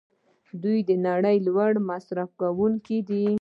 دوی د نړۍ لوی مصرف کوونکي دي.